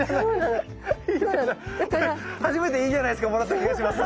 俺初めていいじゃないすかをもらった気がします。